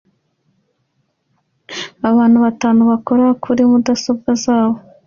Abantu batanu bakora kuri mudasobwa zabo